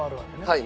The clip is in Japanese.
はい。